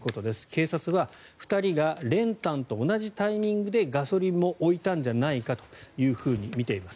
警察は２人が練炭と同じタイミングでガソリンも置いたんじゃないかとみています。